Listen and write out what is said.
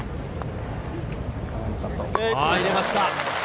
入れました！